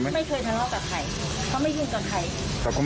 เขาไม่ยืนกับใคร